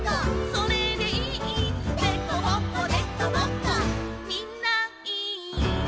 「それでいい」「でこぼこでこぼこ」「みんないい」